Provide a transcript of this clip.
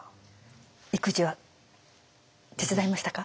育児は手伝いましたか？